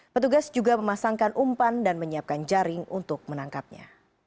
petugas juga memasangkan umpan dan menyiapkan jaring untuk menangkapnya